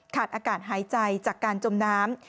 อากาศหายใจจากการจมน้ำ